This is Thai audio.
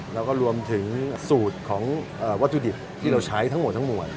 แล้วก็รวมถึงสูตรของวัตถุดิบที่เราใช้ทั้งหมดทั้งมวล